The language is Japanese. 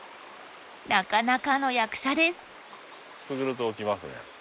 なかなかの役者です。